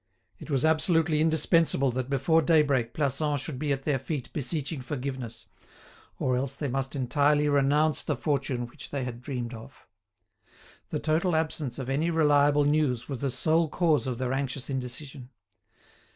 It was absolutely indispensable that before daybreak Plassans should be at their feet beseeching forgiveness, or else they must entirely renounce the fortune which they had dreamed of. The total absence of any reliable news was the sole cause of their anxious indecision.